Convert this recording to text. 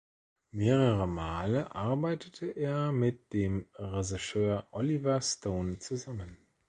Mehrere Male arbeitete er mit dem Regisseur Oliver Stone zusammen.